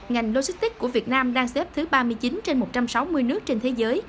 ngành logistics của việt nam đang xếp thứ ba mươi chín trên một trăm sáu mươi nước trên thế giới